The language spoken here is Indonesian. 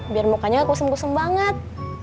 biar mukanya gak kusam kusam banget